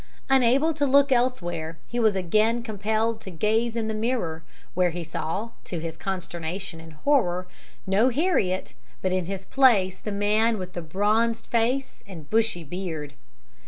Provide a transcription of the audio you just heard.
"Unable to look elsewhere, he was again compelled to gaze in the mirror, where he saw, to his consternation and horror, no Heriot, but in his place the man with the bronzed face and bushy beard.